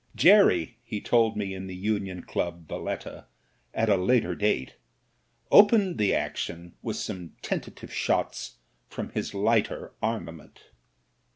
Jerry, he told me in the Union Qub, Valetta, at a later date, opened the action with some tentative shots from his lighter armament.